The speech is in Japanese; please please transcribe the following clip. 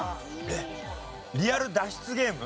えっリアル脱出ゲーム。